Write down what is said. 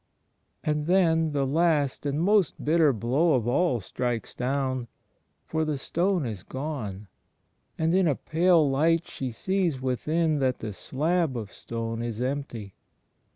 ... And then the last and most bitter blow of all strikes down — for the stone is gone, and in a pale light she sees within that the slab of stone is empty.